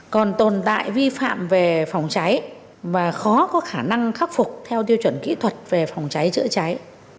còn tồn tại vi phạm về phòng cháy mà khó có khả năng khắc phục theo tiêu chuẩn kỹ thuật về phòng cháy chữa cháy